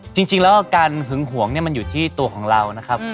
จริงแล้วอาการหึงหวงมันอยู่ที่ตัวของเรานะครับ